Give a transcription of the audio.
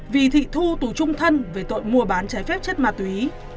vì thị thu tù trung thân về tội mua bán trái phép chất ma túy